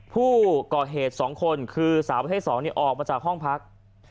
ผู้ก่อเหตุ๒คนคือสาวประเภท๒ออกมาจากห้องพัก